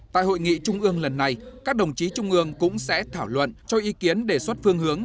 tại hội nghị trung ương lần này các đồng chí trung ương cũng sẽ thảo luận cho ý kiến đề xuất phương hướng